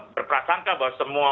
berprasangka bahwa semua